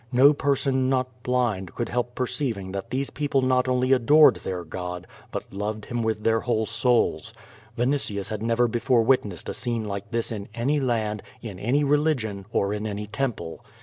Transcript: No person not blind could help perceiving that these people not only adored their God, but loved Him with their whole souls. Vinitius had never before witnessed a scene like this in any land, in any religion, or in any temple.